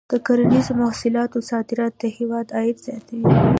د کرنیزو محصولاتو صادرات د هېواد عاید زیاتوي.